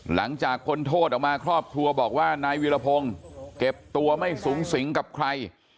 หลังจากพ้นโทษออกมาครอบครัวบอกว่านายวิรพงศ์เก็บตัวไม่สูงสิงกับใคร